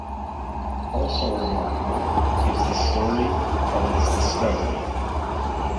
Also remarkable is the story of its discovery.